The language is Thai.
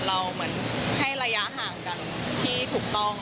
เหมือนให้ระยะห่างกันที่ถูกต้อง